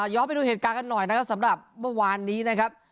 ไปดูเหตุการณ์กันหน่อยนะครับสำหรับเมื่อวานนี้นะครับ